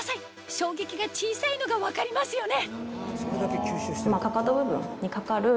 衝撃が小さいのが分かりますよね